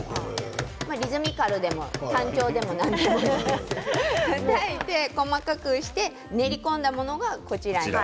リズミカルでも、単調でも何でもたたいて細かくして練り込んだものです。